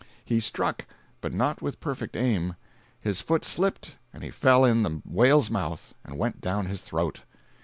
He struck, but not with perfect aim—his foot slipped and he fell in the whale's mouth and went down his throat.